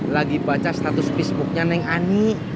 lagi baca status facebooknya neng ani